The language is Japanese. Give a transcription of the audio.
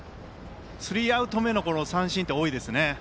スリーアウト目の三振が多いです。